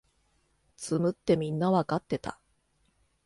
詰むってみんなわかってた